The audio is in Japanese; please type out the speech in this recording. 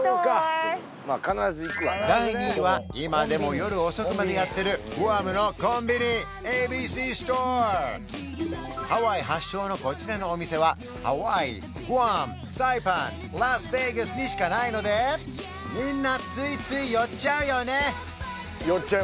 第２位は今でも夜遅くまでやってるグアムのコンビニＡＢＣストアハワイ発祥のこちらのお店はハワイグアムサイパンラスベガスにしかないのでみんなついつい寄っちゃうよね